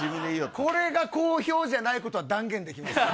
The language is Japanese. これが好評じゃないことは、断言できます。